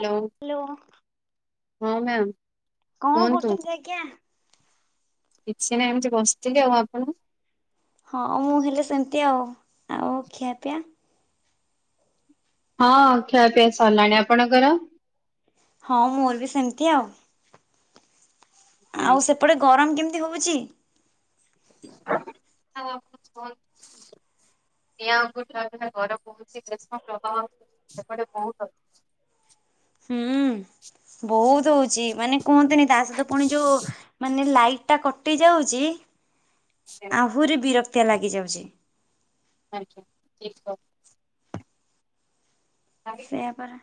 Hello hello ହଁ ma'am କଣ କୁହନ୍ତୁ କରୁଛନ୍ତି ଆଜ୍ଞା? କିଛି ନାହିଁ ଏମିତି ବସିଥିଲି। ଆଉ ଆପଣ? ହଁ ମୁଁ ହେଲେ ସେମିତି ଆଉ। ଆଉ ଖିଆ ପିଆ? ହଁ ଖିଆପିଆ ସରିଲାଣି। ଆପଣଙ୍କର? ହଁ ମୋର ବି ସେମିତି ଆଉ। ଆଉ ଆଜ୍ଞା, ସେପଟେ ଗରମ କେମିତି ହୋଉଛି। କଥା ଆଉ ନିଆଁ ଉପୁରୁ ତା ସହିତ ଘର ବୋହୁଛି ଦେଶପ୍ରବାହ ସେପଟେ ବହୁତ ଅଛି। ହୁଁ ବହୁତ ହଉଛି ମାନେ କୁହନ୍ତିନି ତା ସହିତ ପୁଣି ଯୋଉ ମାନେ ଲାଇଟ୍ ଟା କଟି ଯାଉଛି ଅଛି ଆହୁରି ବିରକ୍ତିଆ ଲାଗି ଯାଉଛି। ଆଜ୍ଞା। [inaudible] ସେଇୟା ପରା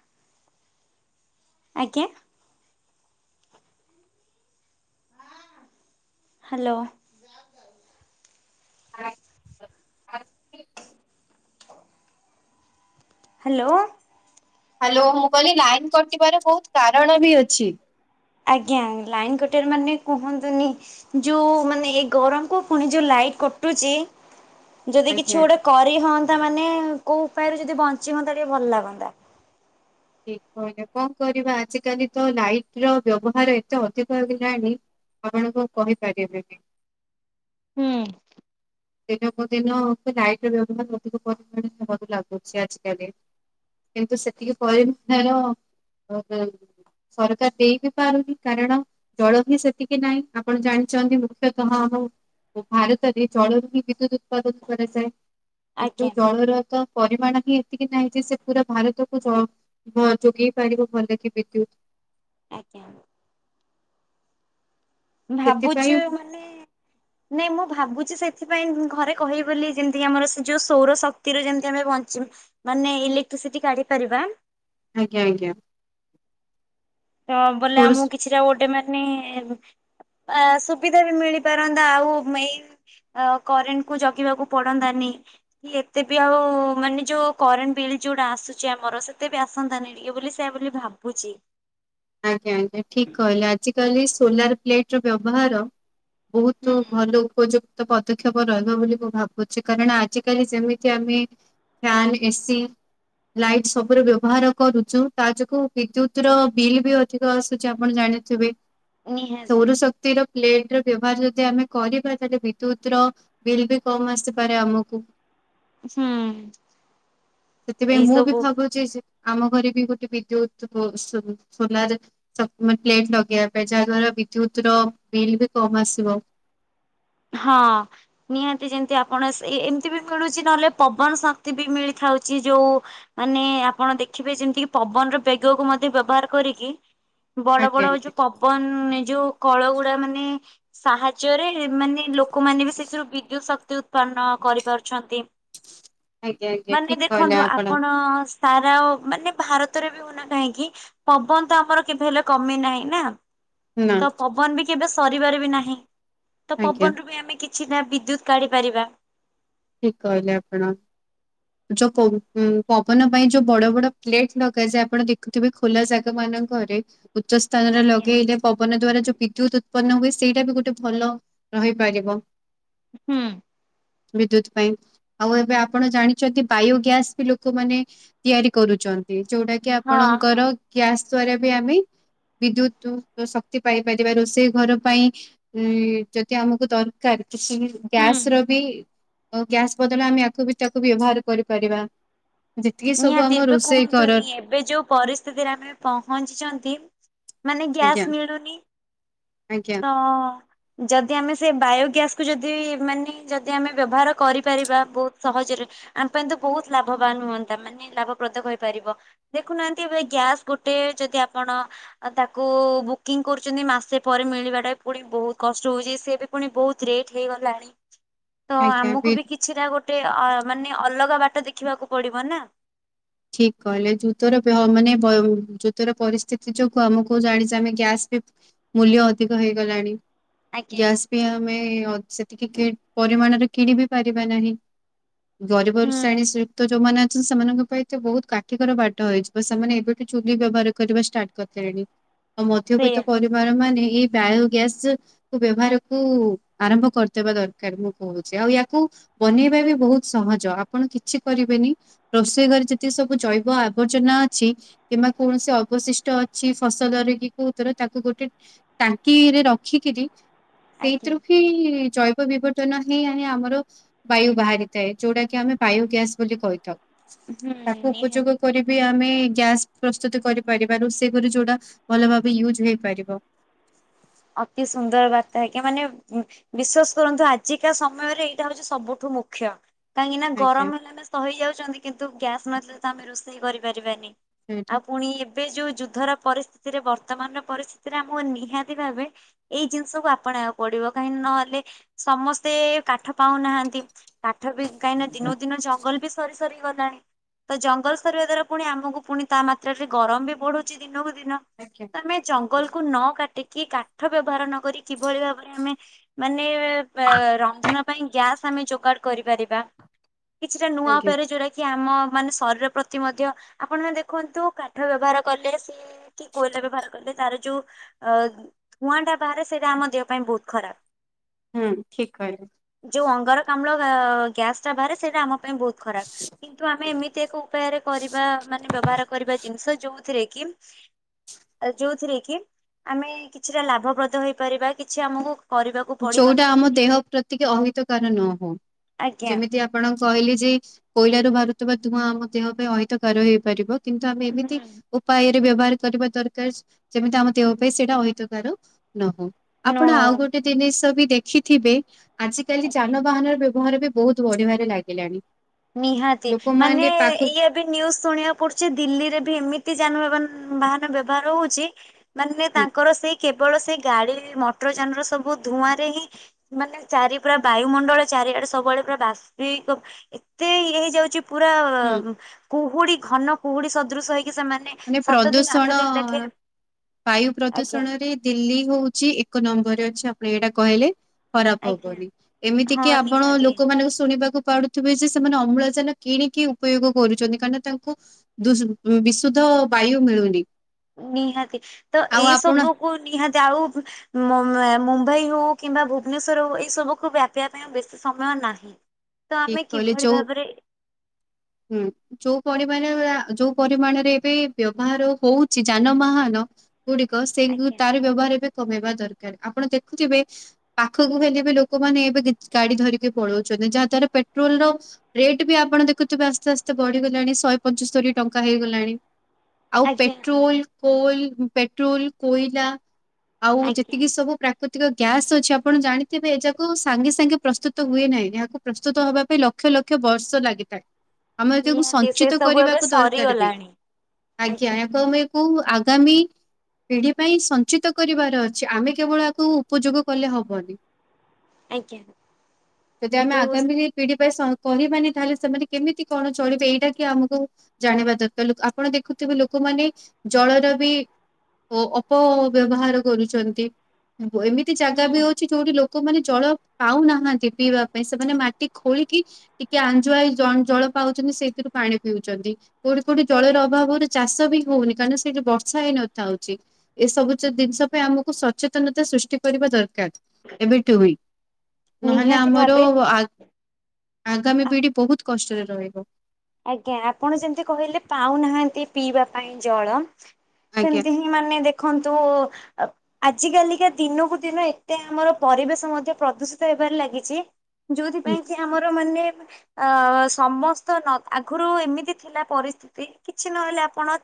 ଆଜ୍ଞା ହ୍ୟାଲୋ [inaudible] ହ୍ୟାଲୋ ହ୍ୟାଲୋ ମୁଁ କହିଲି ଲାଇନ୍ କଟିବାର ବହୁତ କାରଣ ବି ଅଛି। ଆଜ୍ଞା ଲାଇନ୍ କଟିବାର ମାନେ କୁହନ୍ତୁନି। ଯୋଉ ମାନେ ଏଇ ଗରମକୁ ପୁଣି ଯୋଉ ଲାଇଟ୍ କଟୁଛି ଯଦି କିଛି ଆଜ୍ଞା ଗୋଟେ କରି ହୁଅନ୍ତା ମାନେ କୋଉ ଉପାୟରେ ଯଦି ବଞ୍ଚି ହୁଅନ୍ତା ଟିକେ ଭଲ ଲାଗନ୍ତା। ଠିକ୍ କହିଲେ କଣ କରିବା ଆଜିକାଲି ତ ଲାଇଟର ବ୍ୟବହାର ଏତେ ଅଧିକ ହେଗଲାଣି ଆପଣଙ୍କୁ କହିପାରିବିନି। ହୁଁ। ଦିନକୁ ଦିନ ଲାଇଟ ବ୍ୟବହାର ଅଧିକ ପରିମାଣ ହବକୁ ଲାଗୁଛି ଆଜିକାଲି। କିନ୍ତୁ ସେତିକି ପରେ ବି ତାର ସରକାର ଦେଇ ବି ପାରୁନି କାରଣ ଜଳ ହିଁ ସେତିକି ନାହିଁ ଆପଣ ଜାଣିଛନ୍ତି ମୁଖ୍ୟତଃ ଆମ ଭାରତରେ ଜଳ ବିଦ୍ୟୁତ ଉତ୍ପାଦନ କରାଯାଏ ଆଜ୍ଞା କିନ୍ତୁ ଜଳର ତ ପରିମାଣ ହିଁ ଏତିକି ନାହିଁ ଯେ ସେ ପୁରା ଭାରତକୁ ଜଳ ଯୋଗେଇ ପାରିବ ଭଲ କି ବିଦ୍ୟୁତ୍। ଆଜ୍ଞା ସେଥିପାଇଁ ଭାବୁଛୁ ମାନେ ନାଇଁ ମୁଁ ଭାବୁଛି ସେଥିପାଇଁ ଘରେ କହିବି ବୋଲି ଯେମିତିକି ଆମର ସେ ଯୋଉ ସୌର ଶକ୍ତିର ଯେମିତି ଆମେ ବଞ୍ଚିବ। ମାନେ ଇଲେକ୍ଟ୍ରିସିଟି କାଢି ପାରିବା। ଆଜ୍ଞା ଆଜ୍ଞା ତ ବୋଲେ ସୋର୍ସ ଆମକୁ କିଛିଟା ଓଟେ ମାନେ ଅ ସୁବିଧା ବି ମିଳିପାରନ୍ତା ଆଉ ଅ କରେଣ୍ଟକୁ ଜଗିବାକୁ ପଡନ୍ତାନି। ଏତେ ବି ଆଉ ମାନେ ଯୋଉ କରେଣ୍ଟ ବିଲ୍ ଯୋଉଟା ଆସୁଛି ଆମର ସେତେ ବି ଆସନ୍ତାନି ଟିକେ ବୋଲି ସେଇଆ ବୋଲି ଭାବୁଚି। ଆଜ୍ଞା ଆଜ୍ଞା ଠିକ୍ କହିଲେ ଆଜିକାଲି ସୋଲାର ପ୍ଲେଟର ବ୍ୟବହାର ବୋହୁତୁ ହୁଁ ଭଲ ଉପଯୋ ତ ପଦକ୍ଷେପ ରହିବ ବୋଲି ମୁଁ ଭାବୁଚି, କାରଣ ଆଜିିକାଲି ଯେମିତି ଆମେ ଫ୍ୟାନ, ଏସି, ଲାଇଟ୍ ସବୁ ର ବ୍ୟବହାର କରୁଚୁ ତା ଯୋଗୁ ବିଦ୍ୟୁତ ର ବିଲ୍ ବି ଅଧିକ ଆସୁଛି ଆପଣ ଜାଣିଥିବେ। ନିହାତି ସୌର ଶକ୍ ଶକ୍ତି ର ପ୍ଲେଟ ର ବ୍ୟବହାର ଯଦି ଆମେ କରିବା, ତାହେଲେ ବିଦ୍ୟୁତ ର ବିଲ୍ ବି କମ ଆସିପାରେ ଆମକୁ। ହୁଁ ସେଥିପାଇଁ ଏଇ ମୁଁ ବି ସବୁ ଭାବୁଛି ଯେ ଆମ ଘରେ ବି ଗୋଟେ ବିଦ୍ୟୁତ [unintelligible] ସବୁ ସୋଲାର ଶ ବୁ ମାନେ ପ୍ଲେଟ ଲଗେଇବା ପାଇଁ ଯାହା ଦ୍ଵାରା ବିଦ୍ୟୁତ ର ବିଲ୍ ବି କମ ଆସିବ। ହଁ। ନିହାତି ଯେମିତି ଆପଣ ସେଇ ଏମିତି ବି ମିଳୁଛି ନହେଲେ ପବନ ଶକ୍ତି ବି ମିଳିଥାଉଛି ଯୋଉ। ମାନେ ଆପଣ ଦେଖିବେ ଯେମିତିକ୍ ପବନର ବେଗକୁ ମଧ୍ୟ ବ୍ୟବହାର କରିକି ବଡ ଆଜ୍ଞା ବଡ ଆଜ୍ଞା ଯୋଉ ପବନ ଯୋଉ କଳ ଗୁଡା ମାନେ ସାହାଯ୍ୟରେ ମାନେ ଲୋକମାନେ ବି ସେଥିରୁ ବିଦ୍ୟୁତ ଶକ୍ତି ଉତ୍ପାନ୍ନ କରିପାରୁଛନ୍ତି। ଆଜ୍ଞା ଆଜ୍ଞା ମାନେ ଠିକ କହିଲେ ଦେଖନ୍ତୁ ଆପଣ ସେ ପାରା ଆଉ ମାନେ ଭାରତରେ ବି ହଉନା କାହିଁକି ପବନ ତ ଆମର କେବେ ହେଲେ କମେ ନାହିଁ ନା। ନା ତ ପବନ ବି କେବେ ସରିବାରେ ବି ନାହିଁ। ଆଜ୍ଞା ପବନରୁୁ ବି ଆମେ କିଛି ଟା ବିଦ୍ୟୁତ କାଢି ପାରିବା ଠିକ୍ କହିଲେ ଆପଣ। ଯୋଉ ପୋଉ ଉଁ ପବନ ପାଇଁ ଯୋଉ ବଡ ବଡ ପ୍ଲେଟ ଦରକାର ଯେ ଆପଣ ଦେଖୁ ତେବେ ଖୋଲା ଜାଗା ମାନଙ୍କରେ ଉଚ୍ଚ ସ୍ଥାନରେ ଆଜ୍ଞା। ଲଗେଇଲେ ପବନ ଦ୍ଵାରା ଯୋଉ ବିଦ୍ୟୁତ ଉତ୍ପନ୍ନ ହୁଏ ସେଇଟା ବି ଗୋଟେ ଭଲ ରହିପାରିବ। ହୁଁ। ବିଦ୍ୟୁତ ପାଇଁ। ଆଉ ଏବେ ଆପଣ ଜାଣିଛନ୍ତି ବାୟୋ ଗ୍ୟାସ ବି ଲୋକମାନେ ତିଆରି କରୁଛନ୍ତି, ଯୋଉଟା କି କି ହଁ ହଁ ଆପଣଙ୍କର ଗ୍ୟାସ୍ ଦ୍ଵାରା ବି ଆମେ ବିଦ୍ୟୁତୁ ଶକ୍ତି ପାଇପାରିବା ରୋଷେଇ ଘର ପାଇଁ ଇଁ ଯଦି ଆମକୁ ଦର [unintelligible] କାର କିଛି ହୁଁ। ଗ୍ୟାସ ର ବି ଆଉ ଗ୍ୟାସ୍ ବଦଳ ଆମେ ଆକୁ ବି ତାକୁ ବି ବ୍ୟବହାର କରିପାରିବା। ଯେତିକି ସବୁ ନିହାତି ଆମ ଏବେ ରୋଷେଇ ଘର କୁହନ୍ତୁନି ଏବେ ଯୋଉ ପରିସ୍ଥିତିରେ ଆମେ ପହଞ୍ଚିଚନ୍ତି ମାନେ ଆଜ୍ଞା ଗ୍ୟାସ୍ ମିଳୁନି। ଆଜ୍ଞା ତ ଯଦି ଆମେ ସେଇ ବାୟୋଗ୍ୟାସକୁୁ ଯଦି ମାନେ ଯଦି ଆମେ ବ୍ୟବହାର କରିପାରିବା ବହୁତ ସହଜରେ ଆମ ପାଇଁ ତ ବହୁତ ଲାଭବାନ ହୁଅନ୍ତା ମାନେ ଲାଭପ୍ରଦକ ହେଇପାରିବ। ଦେଖୁନାହାନ୍ତି ଏବେ ଗ୍ୟାସ୍ ଗୋଟେ ଯଦି ଆପଣ ଆ ତାକୁ ବୁକିଂ କରୁଛନ୍ତି ମାସେ ପରେ ମି କିଣିବା ଟା ପୁଣି ବହୁତ କଷ୍ଟ ହଉଛି ସ ବି ପୁଣି ବହୁତ ରେଟ୍ ହେଇଗଲାଣି ତ ଆମକୁ ବି କି କିଛିଟା ଗୋଟେ ଅ ମାନେ ଅଲଗା ବାଟ ଦେଖିବାକୁ ପଡିବ ନା ଠିକ କହିଲେ ଯୁତର ବ୍ୟ ମାନେ ଯୁତର ପରିସ୍ଥିତି ଯୋଗୁ ଆମକୁ ଜାଣିଛ ଆମେ ଗ୍ୟାସ ବି ମୂଲ୍ୟ ଅଧିକ ହେଇଗଲାଣି। ଆଜ୍ଞା ଗ୍ୟାସ ବି ଆମେ ଅଧ ସେତିକି କି ପରିମାଣରେ କିଣି ବି ପାରିବା ନାହିଁ। ଗରିବ ହୁଁ ରୁ ଶ୍ରେଣୀ ଯୁକ୍ତ ଯୋଉ ମାନେ ଅଛନ୍ତି ସେମାନଙ୍ଗ ପାଇଁ ସେ ବହୁତ କାଠିକର ବାଟ ହେଇଯିବ ସେମାନେ ଏବେଠୁ ଚୁଲି ବ୍ୟବହାର କରିବା ଷ୍ଟାର୍ଟ କରିଥିଲେଣି। ମଧ୍ୟବିତ୍ତ ସେଇଆ ପରିବାର ମାନେ ଏଇ ବାୟୋଗ୍ୟାସ୍ ବ୍ୟବହାରକୁ ଆରମ୍ଭ କରିଦେବା ଦରକାର, ମୁଁ କହୁଛି ଆଉ ୟାକୁ ବନେଇବା ବି ବହୁତ ସହଜ ଆପଣ କିଛି କରିବେନି ରୋଷେଇ ଘରେ ଯେ ତେ ସବୁ ଜୈବ ଆବର୍ଜନା ଅଛି। କିମ୍ବା କୌଣସି ଅବଶିଷ୍ଟ ଅଛି ଫସଲରେ କି କୋଉ ତର ତାକୁ ଗୋଟେ ଟାଙ୍କିରେ ରଖିକିରି ଆଜ୍ଞା ସେଇଥିରୁ ହିଁ ଜୈ ଜୈଦ ବିବର୍ତ୍ତନ ହିଁ ଆାଣେ ଆମର ବାୟୁ ବାହାରିଥାଏ, ଯୋଉଟା କି ଆମେ ବାୟୋ ଗ୍ୟାସ୍ ବୋଲି କହିଥାଉ। ହୁଁ ତାକୁ ନିହାତି। ଉପଯୋଗ ବି ଆମେ ଗ୍ୟାସ ପ୍ରସ୍ତୁତ କରିପାରିବା ରୋଷେଇ କରି ଯୋଉଟା ଭଲ ଭାବେ ୟୁଜ ହେଇପାରିବ। ଅତି ସୁନ୍ଦର ବାର୍ତ୍ତା ଆଜ୍ଞା ମାନେ ଉଁ ବିଶେସ କରନ୍ତୁ ଆଜିକା ସମୟରେ ଏଇଟା ହଉଛି ସବୁଠୁ ମୁଖ୍ୟ। କାହିଁକିନା ଆଜ୍ଞା ଗରମ ହେଲେ ଆମେ ସହିଯାଉଛନ୍ତି କିନ୍ତୁ ଗ୍ୟାସ୍ ନଥିଲେ ତ ଆମେ ରୋଷେଇ କରିପାରିବାନି। ସେଇଟା। ଆଉ ପୁଣି ଏବେ ଯୋଉ ଯୁଦ୍ଧର ପରିସ୍ଥିତିରେ ବର୍ତ୍ତମାନର ପରିସ୍ଥିତିରେ ଆମକୁ ନିହାତି ଭାବେ ଏଇ ଜିନିଷକୁୁ ଆପଣେଇବାକୁ ପଡିବ କାହିଁକି ନହେଲେ ସମସ୍ତେ କାଠ ପାଉନାହାନ୍ତି କାଠ ବି କାହିଁକିନା ଦିନକୁ ଦିନ ଜଙ୍ଗଲ ବି ସରି ସ ସରି ଗଲାଣି। ତ ଜଙ୍ଗଲ ସରିବା ଦ୍ଵାରା ପୁଣି ଆମକୁ ପୁଣି ତା ମାତ୍ରାରେ ଗରମ ବି ବଢଛି ଦିନକୁ ଦିନ। ଆଜ୍ଞା ଆମେ ଆଜ୍ଞା ଜଙ୍ଗଲକୁୁ ନ କାଟିକି କାଠ ବ୍ୟବହାର ନକ କିଭଳି ଭାବରେ ଆମେ ମାନେ ପେ ରନ୍ଧନ ପାଇଁ ଗ୍ୟାସ୍ ଆମେ ଯୋଗାଡ କରିପାରିବା। କିଛିଟା ନୂଆ ଆଜ୍ଞା ଉପରେ ଯୋଉରା କି ଆମ ମାନେ ଶରୀର ପ୍ରତି ମଧ୍ୟ ଆପଣମାନେ ଦେଖନ୍ତୁ କାଠ ବ୍ୟବହାର କଲେ ସେ କି କୋଇଲା ବ୍ୟବହାର କଲେ ତାର ଯୋଉ ଅ ଧୂଆଁ ଟା ବାହାରେ ସେଇଟା ଆମ ଦେହ ପାଇଁ ବହୁତ ଖରାପ। ହୁଁ ଠିକ କହିଲୁ। ଯୋଉ ଅଙ୍ଗାରକାମ୍ଳ ଆ ଗ୍ୟାସ ଟା ବାହାରେ ସେଇଟା ଆମ ପାଇଁ ବହୁତ ଖରାପ। କିନ୍ତୁ ଆମେ ଏମିତି ଏକ ଉପାୟରେ କରିବା ମାନେ ବ୍ୟବହାର କରିବା ଜିନିଷ ଯୋଉଥିରେ କି ଯୋଉଥିରେ କି ଆମେ କିଛିଟା ଲାଭପ୍ରଦ ହେଇପାରିବା କିଛି ଆମକୁ କରିବାକୁ ପଡିବ ଯୋଉଟା ନାହିଁ ଆମ ଦେହ ପ୍ରତିକ ଅହିତକାର ନ ହଉ ଆଜ୍ଞା ଯେମିତି ଆପଣ କହିଲେ ଯେ କୋଇଲାରୁ ବାହାରୁଥିବା ତୁଆଁ ଆମ ଦେହ ପାଇଁ ଅହତକାର ହେଇପାରିବ କିନ୍ତୁ ଆମେ ଏମିତି ହୁଁ ଉପାୟରେ ବ୍ୟବହାର କରିବା ଦରକାର ଯେମିତି ଆମ ଦେହ ପାଇଁ ସେଇଟା ଅହିତକାରାର ନହୁଉ ନୋ ଆପଣ ଆଉ ଗୋଟେ ଜିନିଷ ବି ଦେଖିଥିବେ ଆଜିକାଲି ଆଜ୍ଞା ଯାନବାହାନର ବ୍ୟବହାର ବି ବହୁତ ବଢିଆଢାରେ ଲାଗିଲାଣି ନିହାତି ମାନେ ଲୋକମାନେ ପାଖ ଇଏ ଏ ନିନ୍ୟୁଜ ଶୁଣକୁ ପଡୁଛି ଦିଲ୍ଲୀରେ ବି ଏମିତି ଯାନବାହାନ ବାହାନ ବ୍ୟବହାର ହଉଛି ମାନେ ହୁଁ ତାଙ୍କର ସେଇ କେବଳ ସେ ଗାଡି ମଟର ଯାନର ସବୁ ଧୂଆଁ ରେ ହିଁ ମାନେ ଚାରି ପୁରା ବାୟୁମଣ୍ଡଳ ଚାରିଆଡେ ସବୁବେଳେ ପୁରା ବାସିକ ଏତେ ଇଏ ହେଇଯାଉଛି ପୁରା ହୁଁ କୁହୁଡି ଘନ କୁହୁଡି ସଦୃଶ ହେଇକି ସେମାନେ ମାନେ ସାତ ଦିନ ଆଠ ପ୍ରଦୂଷଣ ଦିନ ଲେଖେ ବାୟୁ ଆଜ୍ଞା ପ୍ରଦୂଷଣରେ ଦିଲ୍ଲୀ ହଉଛି ଏକ ନମ୍ବରରେ ଅଛି ଆପଣ ଏଇଟା କହିଲେ ଖରାପ ଆଜ୍ଞା ହବନି ଏମିତି ହଁ କି ଆପଣ ନିହାତି ଲୋକମାନାନଙ୍କୁ ଶୁଣିବାକୁ ପାଡୁ ଯେ ସେମାନେ ଅମ୍ଳଜାନ କିଣିକି ଉପଯୋଗ କରୁଛନ୍ତି କାହିଁକିନା ତାଙ୍କୁ ସୁଦ୍ଧା ବାୟୁ ମିଳୁନି ନିହାତି ତ ଆଉ ଏଇ ଆପଣ ସବୁ କୁ ନିହାତି ଆଉ ମୁମ୍ବାଇ ହଉ କିମ୍ବା ଭୁବନେଶ୍ଵର ହଉ ଏଇ ସବୁକୁୁ ବ୍ୟାପିବା ପାଇଁ ବେଶୀ ସମୟ ନାହିଁ ତ ଠିକ ଆମେ କହିଲେ କିଭଳି ଯୋଉ ଭାବରେ ହୁଁ ଯୋଉ ପରିମାଣ ଯୋଉ ପରିମାଣରେ ଏବେ ବ୍ୟବହାର ହଉଛି ଯାନବାହାନ ଗୁଡିକ ସେଇ ଆଜ୍ଞା ତାର ବ୍ୟବହାର ଏବେ କମେଇବା ଦରକାର ଆପଣ ଦେଖୁଥିବେ ପାଖକୁ ହେଲେ ବି ଲୋକମାନେ ଏବେ ଗାଡି ଧରିକି ପଳଉଛନ୍ତି ଯାହା ଦ୍ଵାରା ପେଟ୍ରୋଲ ର ରେଟ୍ ବି ଆପଣ ଦେଖୁ ଆସ୍ତେ ଆସ୍ତେ ବଢିଗଲାଣି ଶହେ ପଞ୍ଚସ୍ତରୀ ଟଙ୍କା ହେଇଗଲାଣି ଆଉ ଆଜ୍ଞା ପେଟ୍ରୋଲ କୋଲ ପେଟ୍ରୋଲ କୋଇଲା ଆଉ ଆଜ୍ଞା ଯେତିକି ସବୁ ପ୍ରାକୃତିକ ଗ୍ୟାସ୍ ଅଛି ଆପଣ ଜାଣିଥିବେ ଏ ଯାକୁ ସାଙ୍ଗେ ସାଙ୍ଗେ ପ୍ରସ୍ତୁତ ହୁଏ ନାହିଁ ଏହାକୁ ପ୍ରସ୍ତୁତ ହବା ପାଇଁ ଲକ୍ଷ ଲକ୍ଷ ବର୍ଷ ଲାଗିଥାଏ ଆମେ ତାକୁ ନିହାତି ସେ ସଞ୍ଚିତ ସବୁ ଏବେ କରିବାକୁ ଦରକାର ବି ସରିଗଲାଣି ଆଜ୍ଞା ଆକୁମେ କୁ ଆଗାମୀ ପିଢି ପାଇଁ ସଞ୍ଚିତ କରିବାର ଅଛି ଆମେ କେବଳ ଏହାକୁ ଉପଯୋଗ କଲେ ହବନି ଆଜ୍ଞା ଯଦି ଆମେ କିନ୍ତୁ ହୁଁ ଆଗାମୀ ପିଢି ପାଇଁ କହିବାନି ତାହେଲେ ସେମାନେ କେମିତି କଣ ଚଳିବେ ଏଇଟା କି ଆମକୁ ଜାଣିବା ଦରକାର ଆପଣ ଦେଖୁଥିବେ ଲୋକମାନେ ଜଳର ବି ଓ ଅପବ୍ୟବହାର କରୁଛନ୍ତି ଏମିତି ଜାଗା ବି ଅଛି ଯୋଉଠି ଲୋକମାନେ ଜଳ ପାଉନାହାନ୍ତି ପିଇବା ପାଇଁ ସେମାନେ ମାଟି ଖୋଳିକି ଟିକେ ଆଞଜୁଆଇ ଜଳ ପାଉଛନ୍ତି ସେଇଥିରୁ ପାଣି ପିଉଛନ୍ତି। କୋଉଠି କୋଉଠି ସେଇଆ ଜଳର ଅଭାବରେ ଚାଷ ବି ହଉନି କାରଣ ସେଇଠି ବର୍ଷା ହେଇନଥା ହଉଛି। ଏସବୁ ଜିନିଷ ପାଇଁ ଆମକୁ ସଚେତନତା ସୃଷ୍ଟି କରିବା ଦରକାର। ଏବେଠୁ ହିଁ, ନହେଲେ ନିହାତି ଆମର ଭାବେ ଆଗାମୀ ଆ- ପିଢି ବହୁତ କଷ୍ଟରେ ରହିବ। ଆଜ୍ଞା ଆପଣ ଯେମିତି କହିଲେ ପାଉନାହାନ୍ତି ପିଇବା ପାଇଁ ଜଳ ଆଜ୍ଞା ସେମିତି ହିଁ ମାନେ ଦେଖନ୍ତୁ ଆଜି କାଲିକା ଦିନକୁ ଦିନ ଏତେ ଆମର ପରିବେଶ ମଧ୍ୟ ପ୍ରଦୂଷିତ ହେବାରେ ଲାଗିଛି। ହୁଁ ଯୋଉଥିପାଇ କି ଆମର ମାନେ ଅ ସମସ୍ତ ଆଗରୁ ଏମିତି ଥିଲା ପରିସ୍ଥିତି କିଛି ନହେଲେ ଆପଣ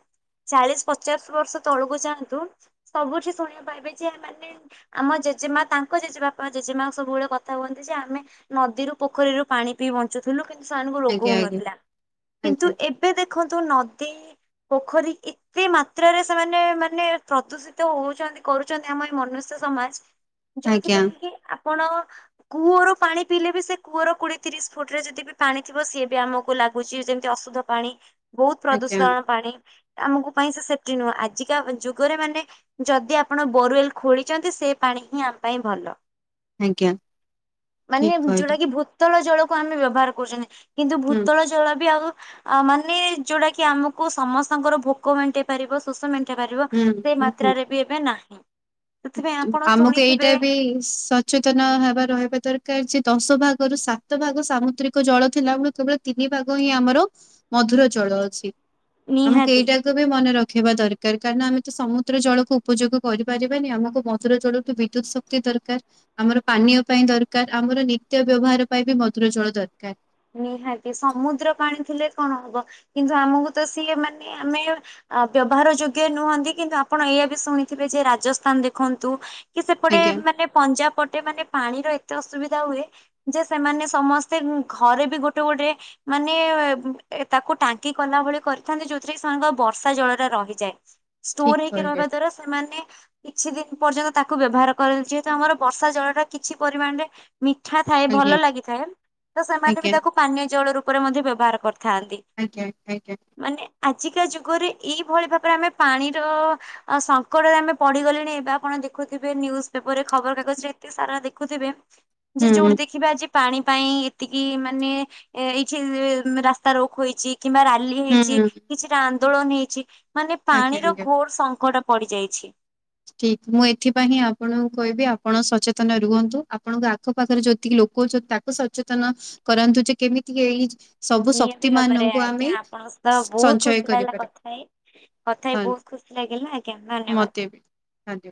ଚାଳିଶ ପଚାଶ ବର୍ଷ ତଳକୁ ଯାଆନ୍ତୁ ସବୁଠି ଶୁଣିିବାପାରବେେ ଯେମାନେ ଆମ ଜେଜେମା ତାଙ୍କ ଜେଜେବାପା ଜେଜେମା ସବୁବେଳେ କଥା ହୁଅନ୍ତି ଯେ ଆମେ ନଦୀରୁ ପୋଖରୀରୁ ପାଣି ପିଇ ବଞ୍ଚୁଥିଲୁ କିନ୍ତୁ ସେମାନଙ୍କୁ ରୋଗ ଆଜ୍ଞା ଆଜ୍ଞା ହଉନଥିଲା। କିନ୍ତୁ ଆଜ୍ଞା ଏବେ ଦେଖନ୍ତୁ ନଦୀ ପୋଖରୀ ଇ ଏତେ ମାତ୍ରାରେ ସେମାନେ ମାନେ ପ୍ରଦୂଷିତ ହଉଛନ୍ତି କରୁଛନ୍ତି ଆମ ଏଇ ମନୁଷ୍ୟ ସମାଜ ଆଜ୍ଞା ଯୋଉଥିପାଇଁ କି ଆପଣ କୂଅରୁ ପାଣି ପିଇଲେ ବି ସେ କୂଅର କୋଡିଏ ତିରିଶ ଫୁଟରେ ଯେତିକି ବି ପାଣି ଥିବ ସିଏ ବି ଆମକୁ ଲାଗ୍ ଗୁଚି ଯେମତି ଅଶୁଦ୍ଧ ପାଣି ବୋହୁତ ଆଜ୍ଞା ପ୍ରଦୂଷଣ ପାଣି। ଆମୁକୁ ପାଇଁ ସେ ସେପ୍ଟି ନୁହଁ ଆଜିକା ଯୁଗରେ ମାନେ ଯଦି ଆପଣ ବୋରୱେଲ୍ ଖୋଳିଚନ୍ତି ସେ ପାଣି ହିଁ ଆମ ପାଇଁ ଭଲ। ଆଜ୍ଞା ଠିକ ମାନେ କହିଲେ ଯୋଉଟା କି ଭୂତ୍ ତଳ ଜଳକୁ ଆମେ ବ୍ୟବହାର କରୁଚନ୍ତି କିନ୍ତୁ ହୁଁ ଭୂତଳ ଜ ଜଳ ବି ଆବୁ ଆ ମାନେ ଯୋଉଟା କି ଆମୁକୁ ସମସ୍ତଙ୍କର ଭୋକ ମେଣ୍ଟେଇ ପାରିବ ଶୋଷ ମେ ଣ୍ଟେଇ ପାରିବ ହୁଁ ସେ ହୁଁ ହୁଁ। ମାତ୍ରାରେ ବି ଏବେ ନାହିଁ। ସେଥିପାଇଁ ଆପଣ ଆମକୁ ଏଇଟା ଶୁଣିଥିବେ ବି ସ ଚେତନ ହେବା ରହିବା ଦରକାର ଯେ ଦଶ ଭାଗରୁ ସାତ ଭାଗ ସାମୁଦ୍ରିକ ଜଳ ଥିଲାବେଳୁ କେବଳ ତିନି ଭାଗ ହିଁ ଆମର ମଧୁର ଜଳ ଅଛି। ଆମକୁ ନିହାତି। ଏଇଟାକୁ ବି ମନେ ରଖିବା ଦରକାର କାରଣ ଆମେ ତ ସମୁଦ୍ର ଜଳକୁ ଉପଯୋଗ କରିପାରି ବାନି ଆମକୁ ମଧୁର ଜଳଠୁ ବିଦ୍ୟୁତ ଶକ୍ତି ଦରକାର। ଆମର ପାନୀୟ ପାଇଁ ଦରକାର ଆମର ନିତ୍ୟ ବ୍ୟବହାର ପାଇଁ ବି ମଧୁର ଜଳ ଦରକାର। ନିହାତି ସମୁଦ୍ର ପାଣି ଥିଲେ କଣ ହବ କିନ୍ତୁ ଆମୁକୁ ତ ସିଏ ମାନେ ଆମେ ଆ ବ୍ୟବହାର ଯୋଗ୍ୟ ନୁହନ୍ତି କିନ୍ତୁ ଆପଣ ଏଇଆ ବି ଶୁଣିଥିବେ ଯେ ରାଜସ୍ଥାନ ଦେଖନ୍ତୁ କି ସେପଟେ ଆଜ୍ଞା। ମାନେ ପଞ୍ଜାବ ପଟେ ମାନେ ପାଣିର ଏତେ ଅସୁବିଧା ହୁଏ ଯେ ସେମାନେ ସମସ୍ତେ ଉଁ ଘରେ ବି ଗୋଟେ ଗୋଟେ ମାନେ ଉଁ ଏ ତାକୁ ଟାଙ୍କି କଲା ଭଳି କରିଥାନ୍ତି ଯୋଉଥିରେ ସେମାନଙ୍କ ବର୍ଷା ଜଳଟା ରହିଯାଏ। ଠିକ୍ ଷ୍ଟୋର୍ ହେଇକି କହିଲେ ରହିବା ଦ୍ଵାରା ସେମାନେ କିଛି ଦିନ ପର୍ଯ୍ୟନ୍ତ ତାକୁ ବ୍ୟବହାର କରଚି ତାଙ୍କର ବର୍ଷା ଜଳଟା କିଛି ପରିମାଣରେ ମିଠା ଥାଏ ଆଜ୍ଞା ଭଲ ଲାଗିଥାଏ ତ ସେମାନେ ଆଜ୍ଞା ବି ତାକୁ ପାନୀୟ ଜଳ ରୂପରେ ମଧ୍ୟ ବ୍ୟବହାର କରିଥାନ୍ତି। ଆଜ୍ଞା ଆଜ୍ଞା। ମାନେ ଆଜିକା ଯୁଗରେ ଏଇଭଳି ଭାବେ ଆମେ ପାଣିର ଆ ସଙ୍କଟରେ ଆମେ ପଡିିଗଲେଣି ଏବେ ଆପଣ ଦେଖୁଥିବେ ନ୍ୟୁଜ୍ ପେପରରେ ଖବରକାଗଜରେ ଏତେ ଏ ସାରା ଦେଖୁଥିବେ ଯେ ହୁଁ ଯୋଉଠି ଦେଖିବେ ଆଜି ପାଣି ପାଇଁ ଏ ଏତିକି ମାନେ ଏଇ ଯୋଉ ଉଁ ରାସ୍ତା ରୋକ୍ ହୋଇଚି କିମ୍ବା ରାଲି ହେଇଚି ହୁଁ କିଛି ଟା ଆନ୍ଦୋଳନ ହେଇଛି ମାନେ ଆଜ୍ଞା ପାଣିର ଆଜ୍ଞା। ଘୋର ଶଙ୍କଟ ପଡିଯାଇଛି। ଠିକ୍ ମୁଁ ଏଥିପାଇ ହିଁ ଆପଣଙ୍କୁ କଇବି ଆପଣ ସଚେତନ ରୁହନ୍ତୁ ଆପଣଙ୍କ ଆଖପାଖରେ ଯେତିକି ଲୋକ ଅଛ ତା କୁ ସଚେତନ କରାନ୍ତୁ ଯେ କେମିତି ଏଇ ସବୁ ଶକ୍ତି ନିଆତି ଭାବେରେ ମାନଙ୍କୁ ଆମେ ଆଜ୍ଞା ଆପଣଙ୍କ ସତ ବୋହୁତ ସଞ୍ଚୟ ଖୁସି ଲାଗିଲା କରିପାରିବା କଥା ହେଇ। କଥା ହେଇ ଧନ୍ୟ- ବୋହୁତ ଖୁସି ଲାଗିଲା ଆଜ୍ଞା ଧନ୍ୟବାଦ୍। ଆଜ୍ଞା।